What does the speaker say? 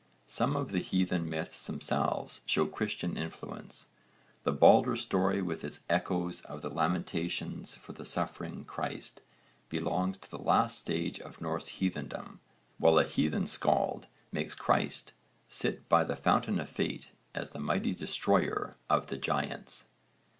Some of the heathen myths themselves show Christian influence; the Balder story with its echoes of the lamentations for the suffering Christ belongs to the last stage of Norse heathendom, while a heathen skald makes Christ sit by the Fountain of Fate as the mighty destroyer of the giants.